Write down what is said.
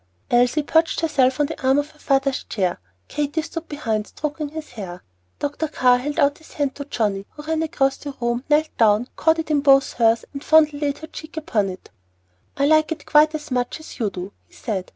Elsie perched herself on the arm of her father's chair; Katy stood behind, stroking his hair. Dr. Carr held out his hand to Johnnie, who ran across the room, knelt down, caught it in both hers, and fondly laid her cheek upon it. "I like it quite as much as you do," he said.